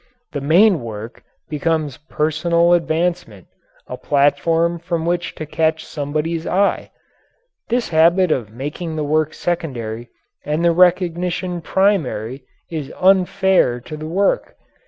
The main work becomes personal advancement a platform from which to catch somebody's eye. This habit of making the work secondary and the recognition primary is unfair to the work.